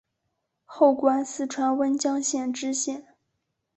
后官四川温江县知县。